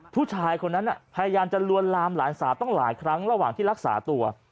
ผู้ชายคนนั้นพยายามจะลวนลามหลานสาวต้องหลายครั้งระหว่างที่รักษาตัว